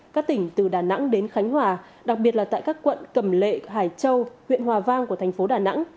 các tỉnh từ đà nẵng đến khánh hòa đặc biệt là tại các quận cầm lệ hải châu huyện hòa vang của thành phố đà nẵng